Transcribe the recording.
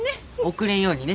遅れんようにね。